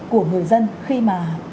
của người dân khi mà